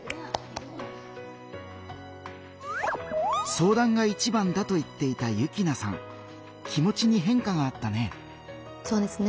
相談がいちばんだと言っていた幸那さん気持ちに変化があったね。